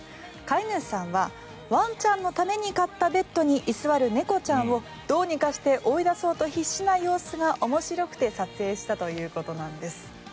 飼い主さんはワンちゃんのために買ったベッドに居座る猫ちゃんをどうにかして追い出そうと必死な様子が面白くて撮影したということなんです。